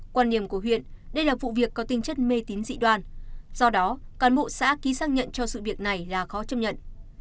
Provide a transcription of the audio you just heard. quan điểm của huyện đây là vụ việc có tinh chất mê tín dị đoan do đó cán bộ xã ký xác nhận cho sự việc này là khó chấp nhận